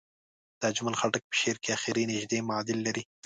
د اجمل خټک په شعر کې اخر نژدې معادل لري.